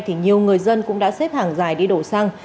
thì nhiều người dân cũng đã xếp hàng dài đi đổ xăng